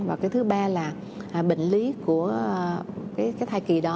và cái thứ ba là bệnh lý của cái thai kỳ đó